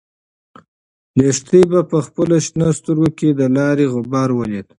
لښتې په خپلو شنه سترګو کې د لارې غبار ولید.